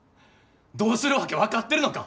どうするわけ分かってるのか！